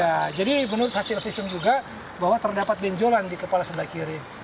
ya jadi menurut hasil visum juga bahwa terdapat benjolan di kepala sebelah kiri